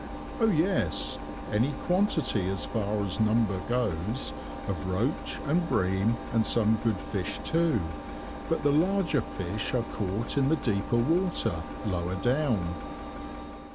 "Oh, yes, any quantity, as far as number goes, of roach, and bream, and some good fish too, but the larger fish are caught in the deeper water, lower down."